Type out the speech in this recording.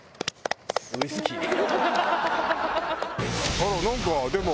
あらなんかでも。